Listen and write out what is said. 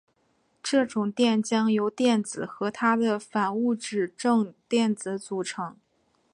这种电浆由电子和它的反物质正电子组成。